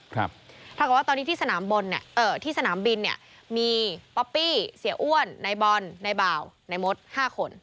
ถ้าเกาะว่าตอนนี้ที่สนามบินเนี่ยมีป๊อปปี้เสียอ้วนนายบอลนายบาวนายมด๕คน